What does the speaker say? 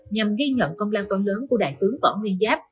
nhằm ghi nhận công lao to lớn của đại tướng võ nguyên giáp